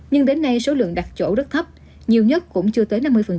nhưng đến nay số lượng đặt chỗ rất thấp nhiều nhất cũng chưa tới năm mươi